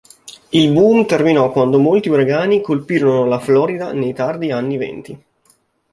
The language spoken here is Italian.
Il boom terminò quando molti uragani colpirono la Florida nei tardi anni venti.